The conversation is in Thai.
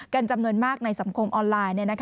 จำนวนมากในสังคมออนไลน์